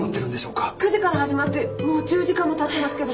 ９時から始まってもう１０時間もたってますけど。